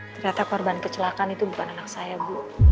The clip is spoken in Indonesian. ternyata korban kecelakaan itu bukan anak saya bu